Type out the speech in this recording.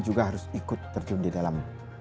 juga harus ikut terjun di dalam